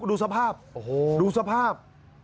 ดูสภาพดูสภาพ